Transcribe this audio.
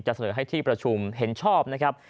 เสนอให้ที่ประชุมเห็นชอบนะครับ